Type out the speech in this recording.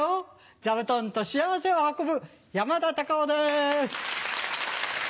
座布団と幸せを運ぶ山田隆夫です。